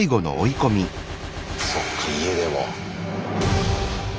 そっか家でも。